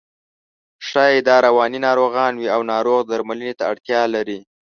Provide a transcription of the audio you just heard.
ښایي دا رواني ناروغان وي او ناروغ درملنې ته اړتیا لري.